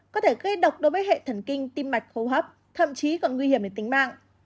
có thể gây độc đối với hệ thần kinh tim mạch hô hấp thậm chí còn nguy hiểm đến tính mạng